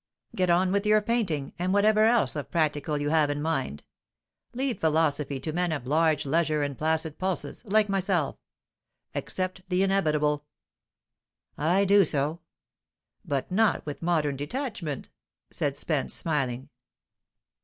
"Get on with your painting, and whatever else of practical you have in mind. Leave philosophy to men of large leisure and placid pulses, like myself. Accept the inevitable." "I do so." "But not with modern detachment," said Spence, smiling.